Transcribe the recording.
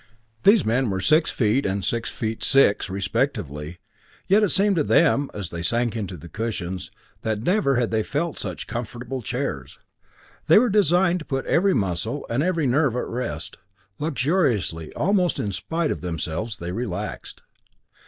These men were six feet and six feet six, respectively, yet it seemed to them, as they sank into the cushions, that never had they felt such comfortable chairs. They were designed to put every muscle and every nerve at rest. Luxuriously, almost in spite of themselves, they relaxed.